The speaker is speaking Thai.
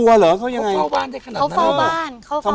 เขากลัวเหรอเขายังไงเขาเฝ้าบ้านได้ขนาดนั้นเขาเฝ้าบ้านเขาเฝ้าบ้าน